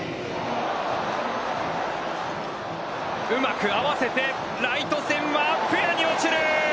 うまく合わせて、ライト線はフェアに落ちる！